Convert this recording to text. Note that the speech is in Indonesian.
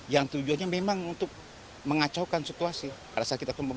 yang tujuannya memang untuk mengacaukan situasi